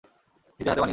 নিজের হাতে বানিয়েছি।